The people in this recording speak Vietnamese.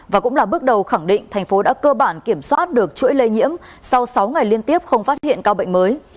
và cũng là bước đầu khẳng định thành phố đã cơ bản kiểm soát được chuỗi lây nhiễm sau sáu ngày liên tiếp không phát hiện ca bệnh mới